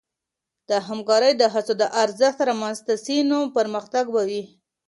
د همکارۍ د هڅو د ارزښت رامنځته سي، نو پرمختګ به وي.